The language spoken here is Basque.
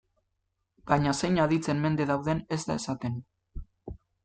Baina zein aditzen mende dauden ez da esaten.